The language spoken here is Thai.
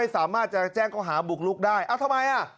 สามารถจะแจ้งเขาหาบุกลุกได้ทำไมอ่ะ